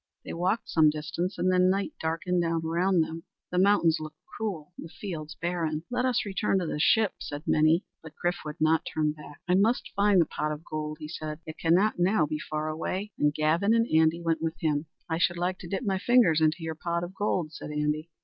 They walked some distance and then night darkened down around them. The mountains looked cruel; the fields barren. "Let us return to the ship," said many. But Chrif would not turn back. "I must find the pot of gold," he said, "it cannot now be far away." And Gavin and Andy went with him. "I should like to dip my fingers into your pot of gold," said Andy.